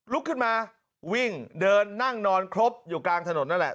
ลุกขึ้นมาวิ่งเดินนั่งนอนครบอยู่กลางถนนนั่นแหละ